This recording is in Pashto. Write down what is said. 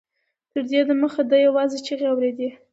تر دې مخکې ده يوازې چيغې اورېدې.